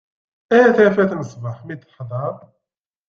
A tafat n ṣbeḥ mi d-teḍher.